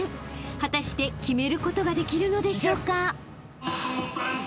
［果たして決めることができるのでしょうか？］